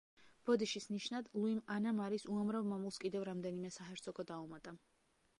ბოდიშის ნიშნად ლუიმ ანა მარის უამრავ მამულს კიდევ რამდენიმე საჰერცოგო დაუმატა.